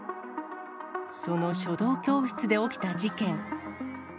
その書道教室で起きた事件。